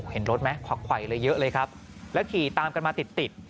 เห็นรถมั้ยควักไหวเลยเยอะเลยครับและขี่ตามกันมาติด